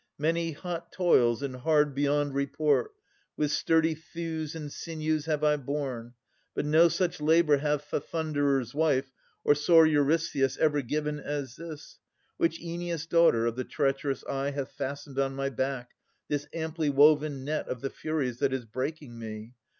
Many hot toils and hard beyond report, With sturdy thews and sinews I have borne, But no such labour hath the Thunderer's wife Or sour Eurystheus ever given, as this, Which Oeneus' daughter of the treacherous eye Hath fastened on my back, this amply woven Net of the Furies, that is breaking me.